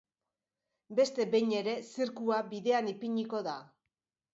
Beste behin ere, zirkua bidean ipiniko da.